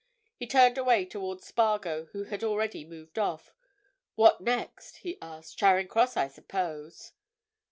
He turned away towards Spargo who had already moved off. "What next?" he asked. "Charing Cross, I suppose!"